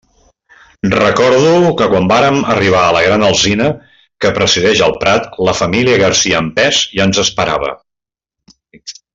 Recordo que quan vàrem arribar a la gran alzina que presideix el prat, la família Garcia en pes ja ens esperava.